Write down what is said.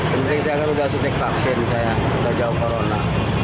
mungkin saya kan udah setik vaksin saya nggak jauh corona